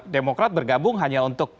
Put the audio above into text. demokrat bergabung hanya untuk